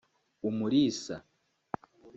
Umulisa